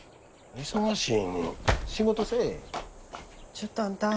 ちょっとあんた。